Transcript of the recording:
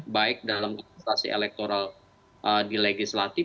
baik dalam kontestasi elektoral di legislatif